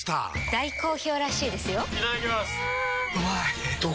大好評らしいですよんうまい！